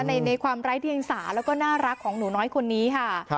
ในความไร้เดียงสาแล้วก็น่ารักของหนูน้อยคนนี้ค่ะ